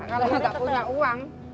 kalau nggak punya uang